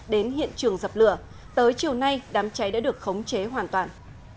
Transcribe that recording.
đến hiện trường dập lửa tới chiều nay đám cháy đã được khống chế hoàn toàn